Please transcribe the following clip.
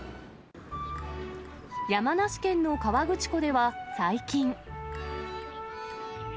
山梨県の河口湖では最近。